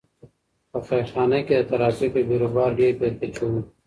په خیرخانه کې د ترافیکو بېروبار ډېر بې کچې و.